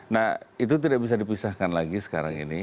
nah itu tidak bisa dipisahkan lagi sekarang ini